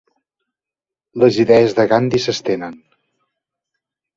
Les idees de Gandhi s'estenen.